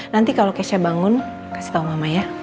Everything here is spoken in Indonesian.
nanti kalau kesha bangun kasih tahu mama ya